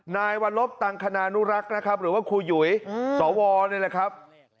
นายวัลบตังค์ขนานุรักษณ์นะครับหรือว่าคู่หยุยสอวรเลยครับ